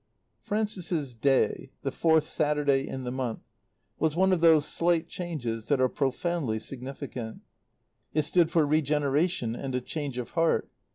Frances's Day the fourth Saturday in the month was one of those slight changes that are profoundly significant. It stood for regeneration and a change of heart.